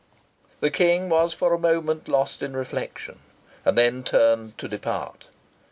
The King was for a moment lost in reflection, and then turned to depart.